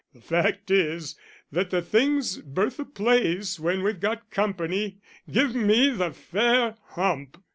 "The fact is that the things Bertha plays when we've got company give me the fair hump!"